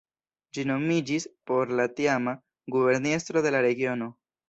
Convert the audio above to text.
Ĝi nomiĝis por la tiama guberniestro de la regiono.